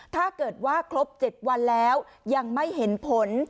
ถ้าเกิดว่าครบ๗วันแล้วยังไม่เห็นผล